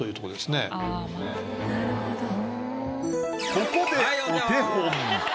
ここでお手本。